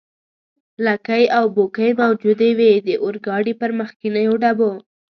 لکۍ او بوکۍ موجودې وې، د اورګاډي پر مخکنیو ډبو.